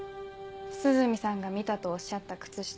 涼見さんが見たとおっしゃった靴下。